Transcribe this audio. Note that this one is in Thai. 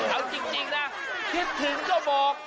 เอาจริงนะคิดถึงก็บอก